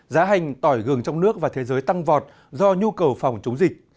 giá hành tỏi gừng trong nước và thế giới tăng vọt do nhu cầu phòng chống dịch